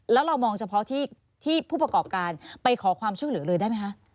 แล้วเรามองเฉพาะที่ผู้ประกอบการไปขอความช่วยเหลือเลยได้ไหมคะ